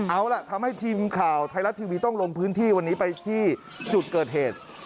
เอาล่ะทำให้ทีมข่าวไทยรัฐทีวีต้องลงพื้นที่วันนี้ไปที่จุดเกิดเหตุ